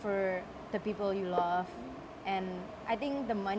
dan saya pikir uang akan datang di jalan jalan